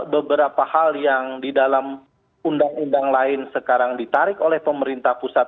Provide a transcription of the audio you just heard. beberapa hal yang di dalam undang undang lain sekarang ditarik oleh pemerintah pusat